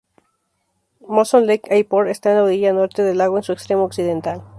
Molson Lake Airport está en la orilla norte del lago, en su extremo occidental.